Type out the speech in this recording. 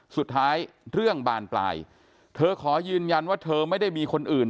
เรื่องบานปลายเธอขอยืนยันว่าเธอไม่ได้มีคนอื่น